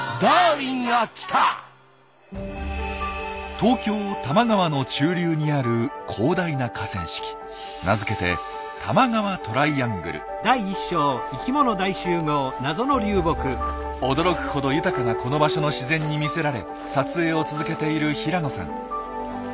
東京多摩川の中流にある広大な河川敷名付けて驚くほど豊かなこの場所の自然に魅せられ撮影を続けている平野さん。